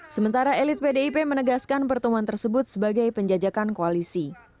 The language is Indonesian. sementara elit pdip menegaskan pertemuan tersebut sebagai penjajakan koalisi